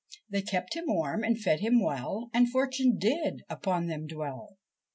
They kept him warm and fed him well, And fortune did upon them dwell.